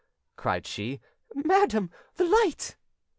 cried she, "madam, the light!"